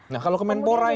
nah kalau kemenpora ini